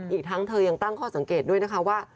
อีกทั้งเธอยังตั้งข้อสังเกตด้วยนะคะว่า